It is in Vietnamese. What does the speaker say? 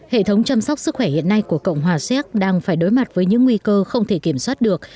hệ thống chăm sóc sức khỏe hiện nay của cộng hòa xéc đang phải đối mặt với những nguy cơ không thể kiểm soát được